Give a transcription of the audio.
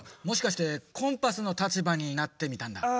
もしかしてコンパスの立場になってみたんだ。